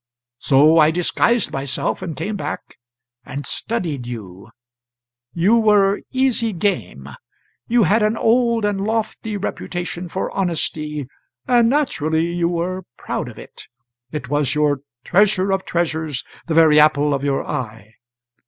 So I disguised myself and came back and studied you. You were easy game. You had an old and lofty reputation for honesty, and naturally you were proud of it it was your treasure of treasures, the very apple of your eye.